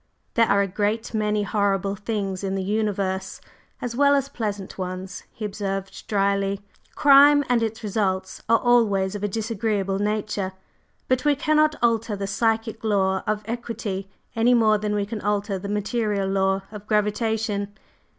"There are a great many horrible things in the universe as well as pleasant ones," he observed dryly. "Crime and its results are always of a disagreeable nature. But we cannot alter the psychic law of equity any more than we can alter the material law of gravitation.